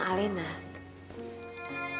kak fadil dan ale